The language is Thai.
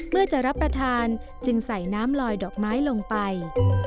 เมื่อจะรับประทานจึงใส่น้ำลอยดอกไม้ลงไป